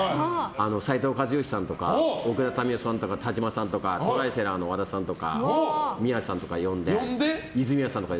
斉藤和義さんとか奥田民生さんとかトライセルの和田さんとか泉谷さんとか呼んで。